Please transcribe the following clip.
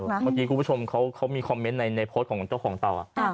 เมื่อกี้คุณผู้ชมเขามีคอมเมนต์ในโพสต์ของเจ้าของเต่า